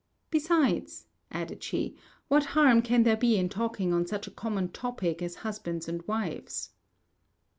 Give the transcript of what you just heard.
"Besides," added she, "what harm can there be in talking on such a common topic as husbands and wives?"